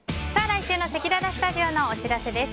来週のせきららスタジオのお知らせです。